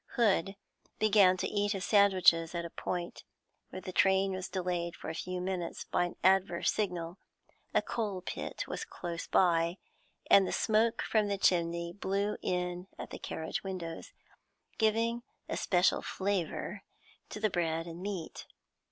Hood began to eat his sandwiches at a point where the train was delayed for a few minutes by an adverse signal; a coal pit was close by, and the smoke from the chimney blew in at the carriage windows, giving a special flavour to the bread and meat.